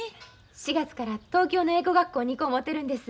４月から東京の英語学校に行こ思てるんです。